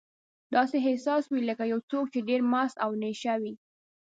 داسې احساس وي لکه یو څوک چې ډېر مست او نشه وي.